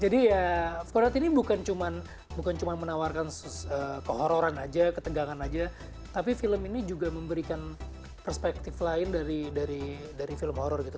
jadi ya kodrat ini bukan cuman menawarkan kehororan aja ketegangan aja tapi film ini juga memberikan perspektif lain dari film horror gitu